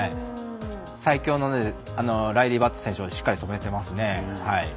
最強のライリー・バット選手をしっかりとめていますね。